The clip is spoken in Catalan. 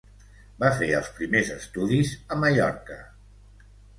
Va fer els primers estudis a Mallorca.